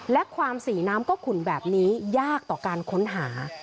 และความสีน้ำก็ขุ่นแบบนี้ยากต่อการค้นหา